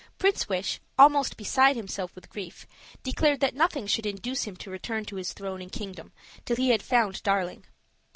Prince Wish, almost beside himself with grief, declared that nothing should induce him to return to his throne and kingdom till he had found Darling.